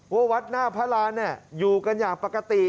ว่าวัดหน้าพระรานอยู่กันอย่างปกติ